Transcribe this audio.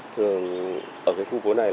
thường ở cái khu phố này